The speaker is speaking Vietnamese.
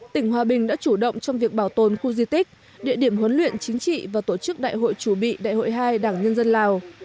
tỉnh hòa bình đã chủ động trong việc bảo tồn khu di tích địa điểm huấn luyện chính trị và tổ chức đại hội chủ bị đại hội hai đảng nhân dân lào